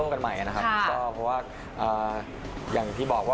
ใช่นะครับเหรอคะ